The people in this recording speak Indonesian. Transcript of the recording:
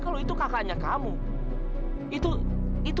padahal kan dia nyelamat